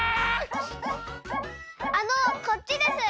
あのこっちです。